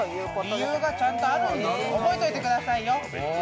理由がちゃんとあるんです、覚えておいてくださいよ。